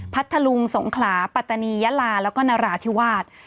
พัทธลุงสงขลาปัตตานียะลาแล้วก็นราธิวาส